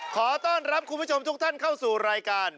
ขอต้อนรับคุณผู้ชมทุกท่านเข้าสู่รายการ